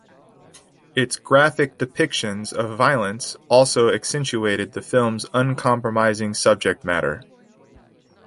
Its graphic depictions of violence also accentuated the film's uncompromising subject matter.